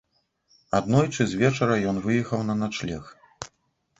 Аднойчы звечара ён выехаў на начлег.